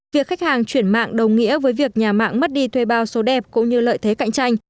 việc khách hàng chuyển mạng đồng nghĩa với việc nhà mạng mất đi thuê bao số đẹp cũng như lợi thế cạnh tranh